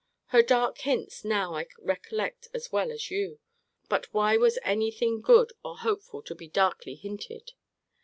Her dark hints now I recollect as well as you. But why was any thing good or hopeful to be darkly hinted?